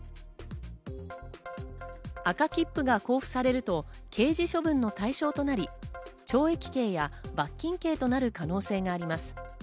赤切符が交付されると刑事処分の対象となり、懲役刑や罰金刑となる可能性があります。